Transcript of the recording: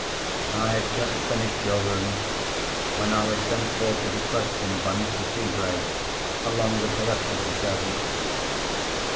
"I had just finished your room when I was sent for to be questioned by Mr. Seegrave, along with the rest of the servants.